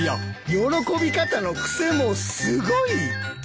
喜び方の癖もすごい。